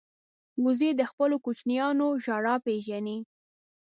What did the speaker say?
وزې د خپلو کوچنیانو ژړا پېژني